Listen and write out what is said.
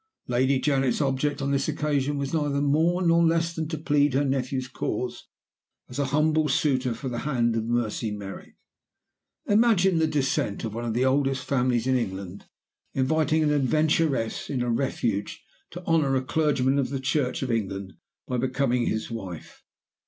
Lady Janet's object on this occasion was neither more nor less than to plead her nephew's cause as humble suitor for the hand of Mercy Merrick. Imagine the descent of one of the oldest families in England inviting an adventuress in a Refuge to honor a clergyman of the Church of England by becoming his wife!